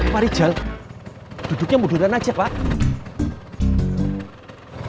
pak rijal duduknya munduran aja pak